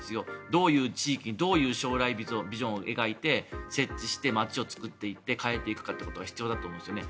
どういう地域どういう将来ビジョンを描いて設置して街を作って変えていくことが必要だと思うんですね。